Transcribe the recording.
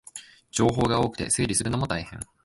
情報が多くて整理するのも大変